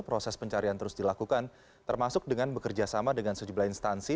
proses pencarian terus dilakukan termasuk dengan bekerja sama dengan sejumlah instansi